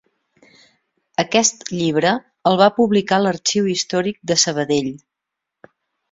Aquest llibre el va publicar l'Arxiu Històric de Sabadell.